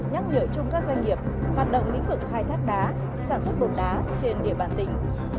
nhắc nhở chung các doanh nghiệp hoạt động lĩnh vực khai thác đá sản xuất bột đá trên địa bàn tỉnh